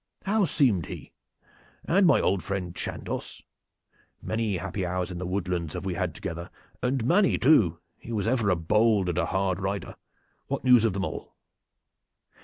How seemed he? And my old friend Chandos many happy hours in the woodlands have we had together and Manny too, he was ever a bold and a hard rider what news of them all?"